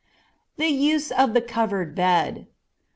_The Use of the Covered Bed.